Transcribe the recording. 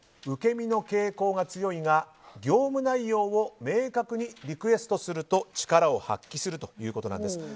受け身の傾向が強いが業務内容を明確にリクエストすると力を発揮するということです。